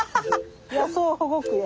野草保護区や。